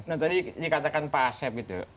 nah tadi dikatakan pak asep gitu